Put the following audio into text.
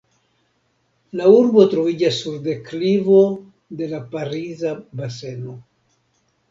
La urbo troviĝas sur deklivo de la Pariza Baseno.